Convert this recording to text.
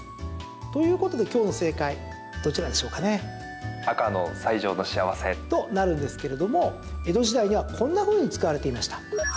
ということで今日の正解どちらでしょうかね？と、なるんですけども江戸時代にはこんなふうに使われていました。